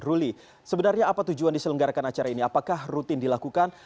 ruli sebenarnya apa tujuan diselenggarakan acara ini apakah rutin dilakukan